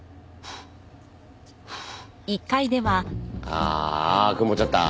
ああ曇っちゃった。